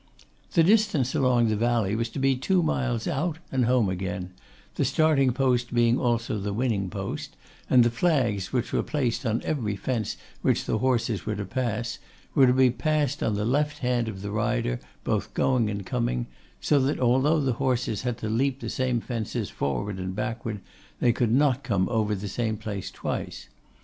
The distance along the valley was to be two miles out, and home again; the starting post being also the winning post, and the flags, which were placed on every fence which the horses were to pass, were to be passed on the left hand of the rider both going and coming; so that although the horses had to leap the same fences forward and backward, they could not come over the same place twice.